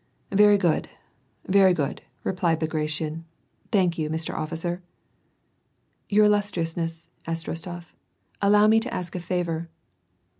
*' Very good, veiy good," replied Bagration. " Thank you, Mr. Officer." "Your illustriousness," said Eostof, "allow me to ask a faTor."